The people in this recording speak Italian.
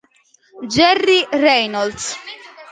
Jerry Reynolds